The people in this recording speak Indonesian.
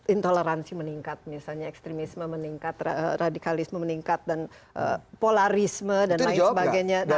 intoleransi meningkat misalnya ekstremisme meningkat radikalisme meningkat dan polarisme dan lain sebagainya